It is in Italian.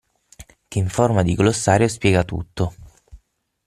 Che in forma di glossario spiega tutto.